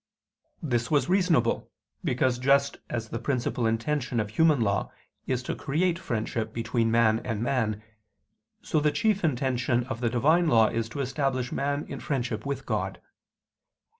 This was reasonable: because, just as the principal intention of human law is to create friendship between man and man; so the chief intention of the Divine law is to establish man in friendship with God.